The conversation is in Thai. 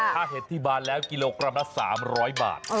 ถ้าเห็ดที่บานแล้วกิโลกรัมละ๓๐๐บาท